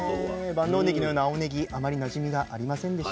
万能ねぎのような青ねぎあまりなじみがありませんでした。